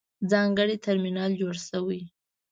ځانګړی ترمینل جوړ شوی.